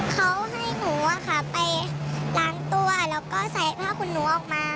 เขาให้หนูไปล้างตัวแล้วก็ใส่ผ้าขุนหนูออกมา